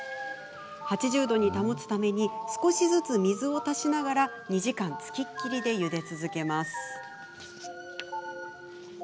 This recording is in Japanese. ８０度に保つために少しずつ水を足しながら２時間つきっきりでゆで続けます。